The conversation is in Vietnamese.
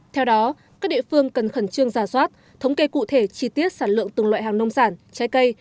theo đó các địa phương cần khẩn trương giả soát thống kê cụ thể chi tiết sản lượng từng loại hàng nông sản trái cây